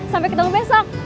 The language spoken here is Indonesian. sampai ketemu besok